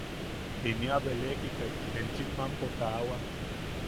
Inia belekikai enchim mampo taawak.